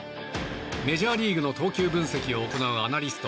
メジャーリーグの投球分析を行うアナリスト